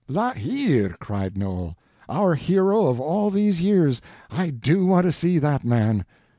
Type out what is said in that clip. "La Hire!" cried Noel, "our hero of all these years—I do want to see that man!"